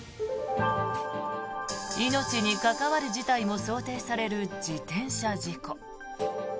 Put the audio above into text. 命に関わる事態も想定される自転車事故。